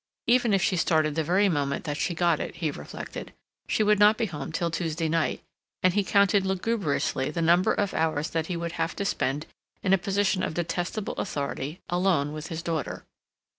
Even if she started the very moment that she got it, he reflected, she would not be home till Tuesday night, and he counted lugubriously the number of hours that he would have to spend in a position of detestable authority alone with his daughter.